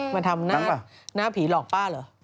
มาทำหน้าผีหลอกป้าเหรอ